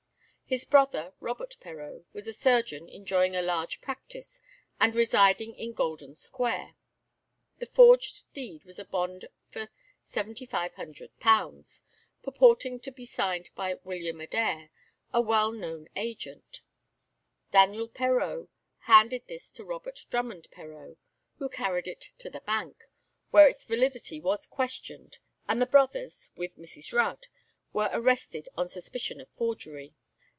His brother, Robert Perreau, was a surgeon enjoying a large practice, and residing in Golden Square. The forged deed was a bond for £7500, purporting to be signed by William Adair, a well known agent. Daniel Perreau handed this to Robert Drummond Perreau, who carried it to the Bank, where its validity was questioned, and the brothers, with Mrs. Rudd, were arrested on suspicion of forgery.